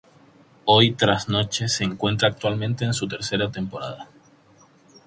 Hoy Trasnoche se encuentra actualmente en su tercera temporada.